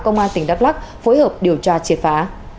công an tỉnh đắk lắc phối hợp điều tra triệt phá